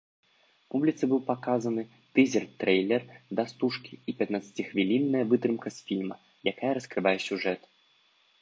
Публіцы быў паказаны тызер-трэйлер да стужкі і пятнаццаціхвілінная вытрымка з фільма, якая раскрывае сюжэт.